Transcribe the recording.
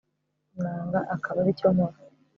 nanga akaba ari cyo nkora